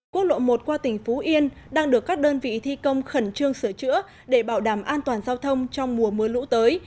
quốc lộ một qua tỉnh phú yên đang được các đơn vị thi công khẩn trương sửa chữa để bảo đảm an toàn giao thông trong mùa mưa lũ tới